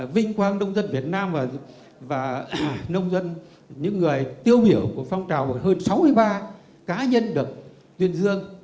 vinh quang nông dân việt nam và nông dân những người tiêu biểu của phong trào của hơn sáu mươi ba cá nhân được tuyên dương